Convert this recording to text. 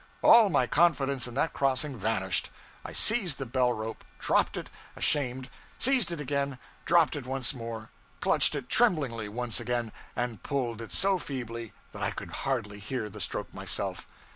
All my confidence in that crossing vanished. I seized the bell rope; dropped it, ashamed; seized it again; dropped it once more; clutched it tremblingly one again, and pulled it so feebly that I could hardly hear the stroke myself.